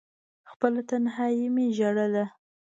خپله تنهايي مې ژړله…